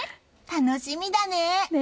楽しみだね！